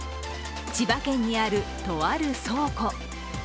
千葉県にある、とある倉庫。